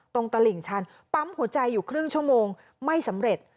ตลิ่งชันปั๊มหัวใจอยู่ครึ่งชั่วโมงไม่สำเร็จ